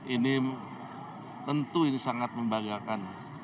ini tentu sangat membanggakan